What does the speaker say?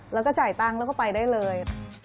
แล้วก็จ่ายตังค์แล้วก็ไปได้เลย